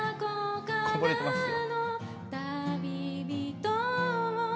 こぼれてますよ。